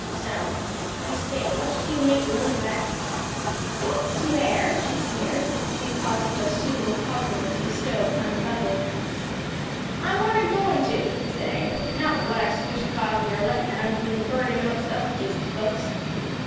"Some. I say, what did you make room for that " "Don't swear;" she sneered, as he paused for a suitable cognomen to bestow upon Buzzard. "I wa'n't agoin' to!" he said angrily; "not but what I've sufficient cause in your letting that unclean bird in amongst us decent folks."